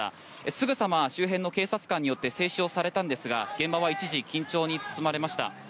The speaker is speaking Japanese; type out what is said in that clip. すぐさま周辺の警察官によって制止をされたんですが現場は一時、緊張に包まれました。